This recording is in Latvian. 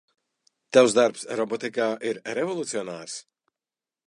Tavs darbs robotikā ir revolucionārs.